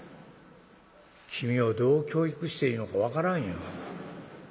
「君をどう教育していいのか分からんよ。